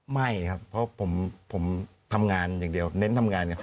ไม่ครับเพราะผมทำงานอย่างเดียวเน้นทำงานไง